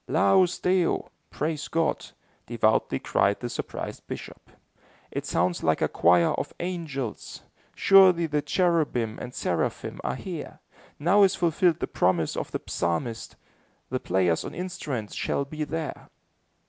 "Laus Deo" (Praise God), devoutly cried the surprised bishop. "It sounds like a choir of angels. Surely the cherubim and seraphim are here. Now is fulfilled the promise of the Psalmist: 'The players on instruments shall be there.'"